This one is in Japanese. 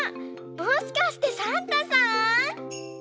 もしかしてサンタさん？